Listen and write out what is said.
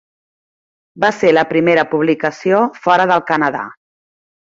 Va ser la primera publicació fora del Canadà.